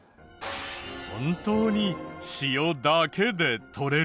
本当に塩だけで取れる？